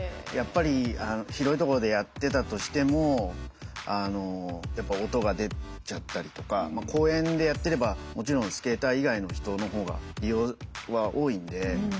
やっぱり広いところでやってたとしてもやっぱ音が出ちゃったりとか公園でやってればもちろんスケーター以外の人の方が利用は多いんで。